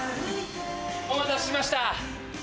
・お待たせしました